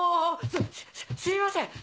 すすいません！